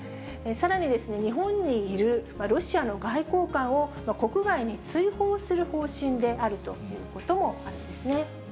さらにですね、日本にいるロシアの外交官を、国外に追放する方針であるということもあるんですね。